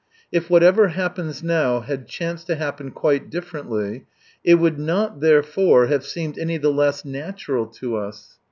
If whatever happens now had chanced to happen quite differently, it would not, therefore, have seemed any the less natural to us.